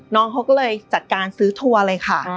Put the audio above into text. น้องเขาก็เลยจัดการซื้อทัวร์เลยค่ะ